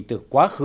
từ quá khứ